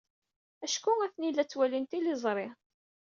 Acku atni la ttwalin tiliẓri.